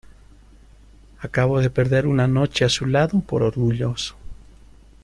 acabo de perder una noche a su lado por orgulloso.